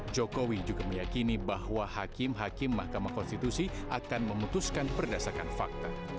jokowi juga meyakini bahwa hakim hakim mahkamah konstitusi akan memutuskan berdasarkan fakta